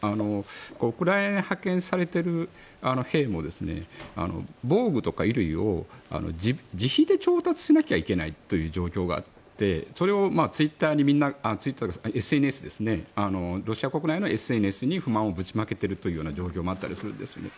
ウクライナに派遣されている兵も防具とか衣類を自費で調達しなきゃいけないという状況があってそれをツイッターというかＳＮＳですねロシア国内のＳＮＳに不満をぶちまけているという状況もあったりするんですね。